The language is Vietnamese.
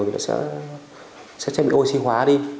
thì nó sẽ bị oxy hóa đi